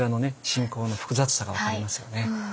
信仰の複雑さが分かりますよね。